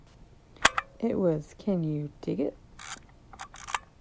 It was Can You Dig It?